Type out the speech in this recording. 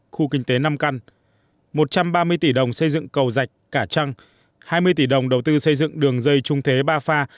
khu kinh tế năm căn một trăm ba mươi tỷ đồng xây dựng cầu dạch cả trăng hai mươi tỷ đồng đầu tư xây dựng đường dây trung thế ba pha